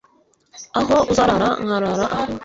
aho uzarara nkarara aho